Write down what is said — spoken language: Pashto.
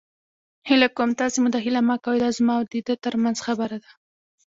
هیله کوم تاسې مداخله مه کوئ. دا زما او ده تر منځ خبره ده.